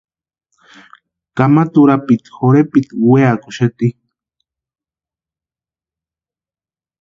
Kamata urapiti jorhepitku weakuxati.